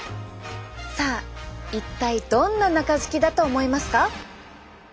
さあ一体どんな中敷きだと思いますか？